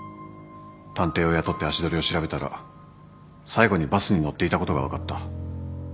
探偵を雇って足取りを調べたら最後にバスに乗っていたことが分かった。